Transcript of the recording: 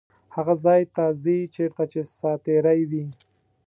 هغه ځای ته ځي چیرته چې ساعتېرۍ وي.